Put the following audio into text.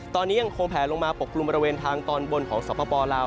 ตอนนี้ยังคงแผลลงมาปกกลุ่มบริเวณทางตอนบนของสปลาว